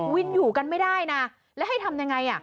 อยู่กันไม่ได้นะแล้วให้ทำยังไง